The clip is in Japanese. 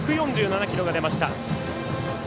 １４７キロが出ました。